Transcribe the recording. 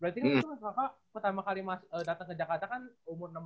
berarti itu mas kakak pertama kali datang ke jakarta kan umur enam belas tahun